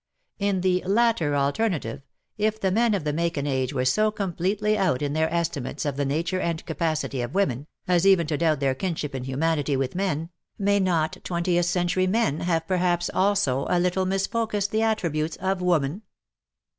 In the latter alternative, if the men of the Macon age were so completely out in their estimates of the nature and capacity of women, as even to doubt their kinship in humanity with men, may not twentieth century men have perhaps also a little mis focused the attributes of Woman